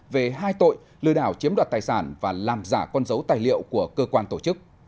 về hai tội lừa đảo chiếm đoạt tài sản và làm giả con dấu tài liệu của cơ quan tổ chức